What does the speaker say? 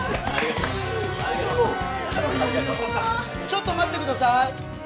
ちょっと待って下さい！